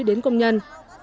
đến công nhân